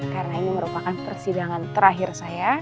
karena ini merupakan persidangan terakhir saya